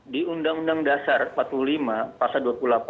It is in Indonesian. di undang undang dasar empat puluh lima pasal